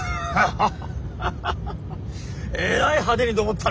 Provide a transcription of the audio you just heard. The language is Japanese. ハハハ。